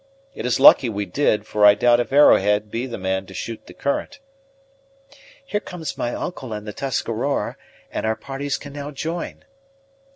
It is lucky we did, for I doubt if Arrowhead be the man to shoot the current." "Here come my uncle and the Tuscarora, and our parties can now join."